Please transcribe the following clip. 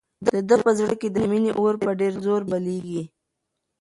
د ده په زړه کې د مینې اور په ډېر زور بلېږي.